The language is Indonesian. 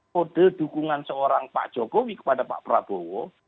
kode dukungan seorang pak jokowi kepada pak prabowo